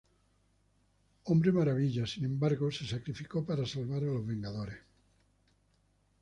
Hombre Maravilla, sin embargo, se sacrificó para salvar a los Vengadores.